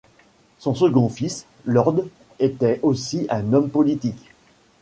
Son second fils, Lord était aussi un homme politique.